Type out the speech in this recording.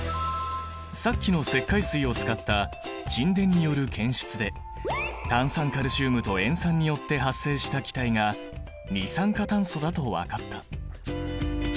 さっきの石灰水を使った沈殿による検出で炭酸カルシウムと塩酸によって発生した気体が二酸化炭素だと分かった。